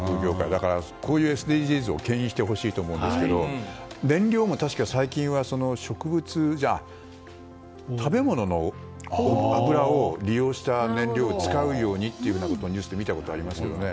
だから、こういうＳＤＧｓを牽引してほしいと思うんですが燃料も確か、最近は食べ物の油を利用した燃料を使うようにということをニュースで見たことがありますね。